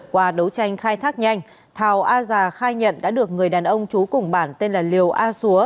qua đấu tranh khai thác nhanh thào a già khai nhận đã được người đàn ông trú cùng bản tên là liều a xúa